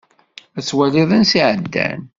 Ad twaliḍ ansi εeddan.